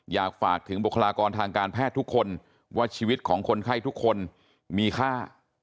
อยากฝากถึงบุคลากรทางการแพทย์ทุกคนว่าชีวิตของคนไข้ทุกคนมีค่า